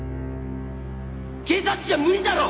警察じゃ無理だろ！